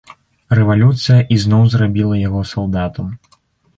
Рэвалюцыя ізноў зрабіла яго салдатам.